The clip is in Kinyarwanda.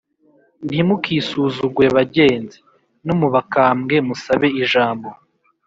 Ntimukisuzugure bagenzi No mu bakambwe musabe ijambo